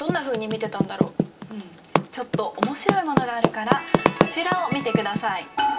ちょっと面白いものがあるからこちらを見てください。